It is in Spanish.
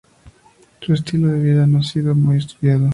Su estilo de vida no ha sido muy estudiado.